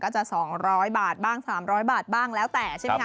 ก็จะสองร้อยบาทบ้างสามร้อยบาทบ้างแล้วแต่ใช่ไหมคะ